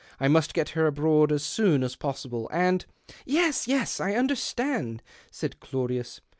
I must get her abroad as soon as possible. And "" Yes, yes, I understand," said Claudius.